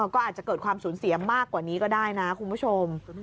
ก็อาจจะเกิดความสูญเสียมากกว่านี้ก็ได้นะคุณผู้ชม